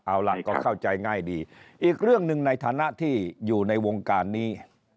เอาล่ะก็เข้าใจง่ายดีอีกเรื่องหนึ่งในฐานะที่อยู่ในวงการนี้